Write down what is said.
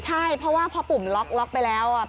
ใช่เพราะว่าพอปุ่มล็อกไปแล้ว